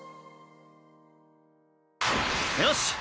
よし！